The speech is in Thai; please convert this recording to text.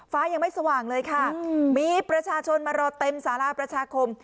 ฟ้ายังไม่สว่างเลยค่ะมีประชาชนมารอเต็มสาราประชาคม